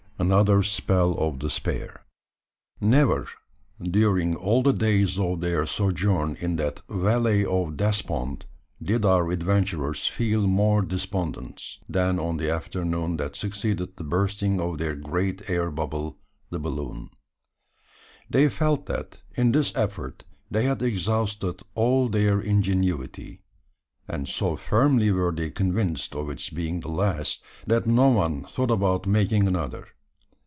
ANOTHER SPELL OF DESPAIR. Never, during all the days of their sojourn in that "Valley of Despond," did our adventurers feel more despondence, than on the afternoon that succeeded the bursting of their great air bubble the balloon. They felt that in this effort, they had exhausted all their ingenuity; and so firmly were they convinced of its being the last, that no one thought about making another.